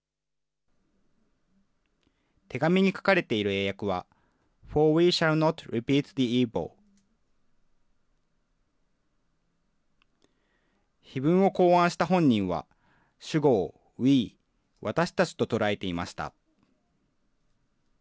手紙に書かれている英訳は、Ｆｏｒｗｅｓｈａｌｌｎｏｔｒｅｐｅａｔｔｈｅｅｖｉｌ碑文を、考案した本人は、主語を、ＷＥ、私たちと捉えていました。